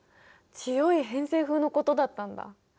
強い偏西風のことだったんだ。